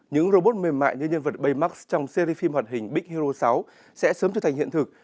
những robot mềm mại như nhân vật baymax trong series phim hoạt hình big hero sáu sẽ sớm trở thành hiện thực